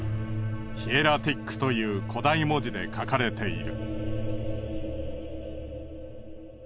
ヒエラティックという古代文字で書かれている。